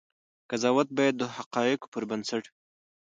قضاوت باید د حقایقو پر بنسټ وي.